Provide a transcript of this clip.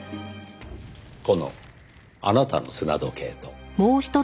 このあなたの砂時計と。